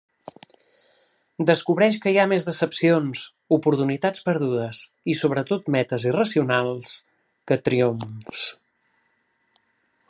Descobreix que hi ha més decepcions, oportunitats perdudes i sobretot metes irracionals, que triomfs.